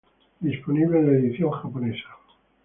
Disponible en la edición japonesa